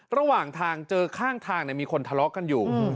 ระหว่างทางเจอข้างทางมีคนทะเลาะกันอยู่